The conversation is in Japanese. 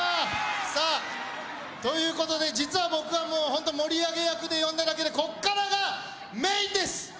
さあという事で実は僕はもう本当盛り上げ役で呼んだだけでここからがメインです。